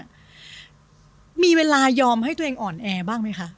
เวลามีเวลายอมให้ตัวเองอ่อนแอบ้างไหมคะ